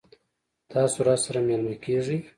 تاسو راسره میلمه کیږئ؟